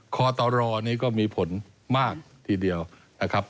คอตรนี้ก็มีผลมากทีเดียวนะครับ